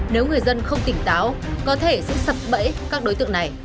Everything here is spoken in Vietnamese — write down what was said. nếu người dân không tỉnh táo có thể sẽ sập bẫy các đối tượng này